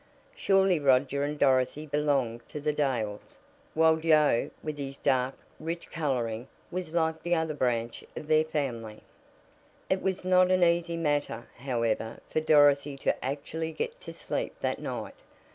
Surely Roger and Dorothy belonged to the Dales, while Joe, with his dark, rich coloring, was like the other branch of their family. It was not an easy matter, however, for Dorothy to actually get to sleep that night.